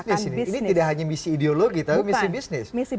tapi ini tidak hanya misi ideologi tapi misi bisnis